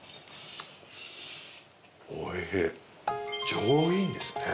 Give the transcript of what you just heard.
上品ですね。